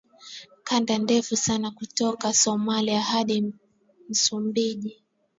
kanda ndefu sana kutoka Somalia hadi Msumbiji